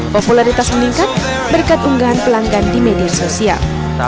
popularitas meningkat berkat unggahan pelanggan di media sosial